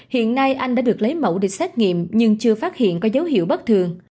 hiện nay anh đã được lấy mẫu để xét nghiệm nhưng chưa phát hiện có dấu hiệu bất thường